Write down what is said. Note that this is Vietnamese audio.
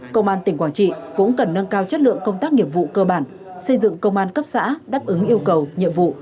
công an tỉnh quảng trị cũng cần nâng cao chất lượng công tác nghiệp vụ cơ bản xây dựng công an cấp xã đáp ứng yêu cầu nhiệm vụ